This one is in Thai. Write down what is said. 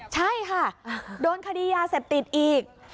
ใช่ค่ะโดนคดียาเสพติดอีก